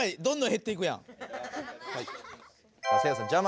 どんどんへっていくやん。